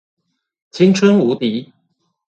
青春無敵